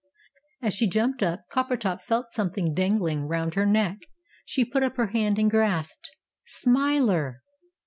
As she jumped up, Coppertop felt something dangling round her neck, she put up her hand, and grasped Smiler!